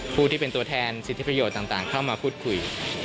ผู้ที่เป็นตัวแทนสิทธิประโยชน์ต่างเข้ามาพูดคุย